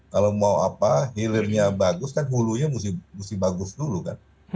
kalau mau apa hilirnya bagus kan hulunya mesti bagus dulu kan